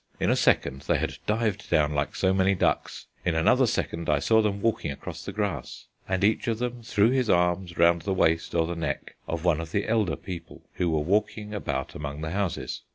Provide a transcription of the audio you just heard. In a second they had dived down like so many ducks. In another second I saw them walking across the grass, and each of them threw his arms round the waist or the neck of one of the elder people who were walking about among the houses.